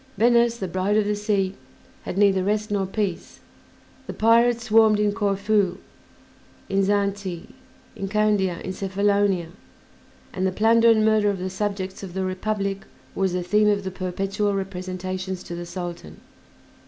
Venice, "The Bride of the Sea," had neither rest nor peace; the pirates swarmed in Corfu, in Zante, in Candia, in Cephalonia, and the plunder and murder of the subjects of the Republic was the theme of the perpetual representations to the Sultan.